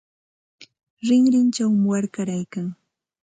Rinrinchaw warkaraykan.